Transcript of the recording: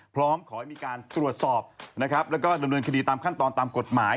พร้อมขอให้มีการตรวจสอบนะครับแล้วก็ดำเนินคดีตามขั้นตอนตามกฎหมาย